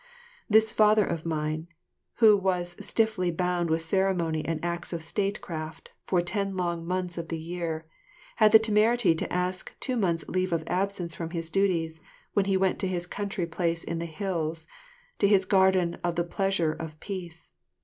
This father of mine, who was stiffly bound with ceremony and acts of statecraft for ten long months of the year, had the temerity to ask two months' leave of absence from his duties, when he went to his country place in the hills, to his "Garden of the Pleasure of Peace."